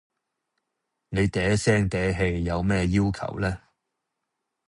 你嗲聲嗲氣有咩要求呢?